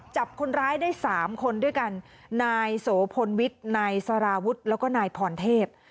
จับคนร้ายได้สามคนด้วยกันนายโสพลวิทย์นายสารวุฒิแล้วก็นายพรเทพ